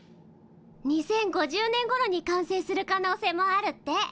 ２０５０年ごろに完成する可能性もあるって。